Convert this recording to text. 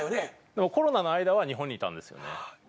でもコロナの間は日本にいたんですよね。